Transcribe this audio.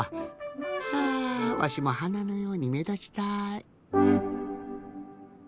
はあわしもはなのようにめだちたい。